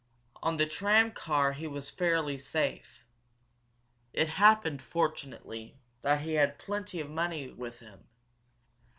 On the tram car he was fairly safe. It happened, fortunately, that he had plenty of money with him.